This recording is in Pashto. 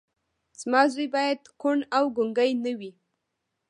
زما زوی باید کوڼ او ګونګی نه وي